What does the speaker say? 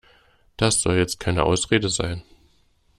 Das soll jetzt keine Ausrede sein.